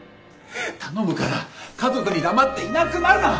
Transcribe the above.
頼むから家族に黙っていなくなるな！